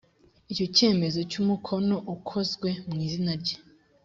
icyo cyemezo cy’umukono ukozwe mu izina rye